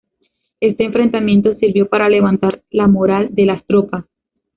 Este enfrentamiento sirvió para levantar la moral de las tropas.